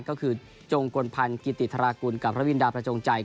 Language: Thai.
ก็คือจงกลพันธ์กิติธรากุลกับพระวินดาประจงใจ